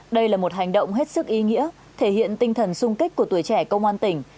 đây là một hành động hết sức ý nghĩa thể hiện tinh thần sung kích của tuổi trẻ công an tỉnh